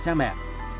phi nhung trải lòng